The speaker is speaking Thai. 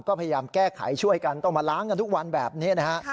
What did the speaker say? ก็พยายามแก้ไขช่วยกันต้องมาล้างกันทุกวันแบบนี้นะฮะ